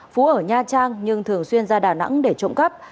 phú ở nha trang nhưng thường xuyên ra đà nẵng để trộm cắp